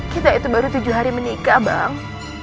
kita itu baru tujuh hari menikah bang